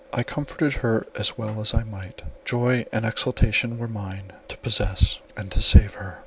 I comforted her as well as I might. Joy and exultation, were mine, to possess, and to save her.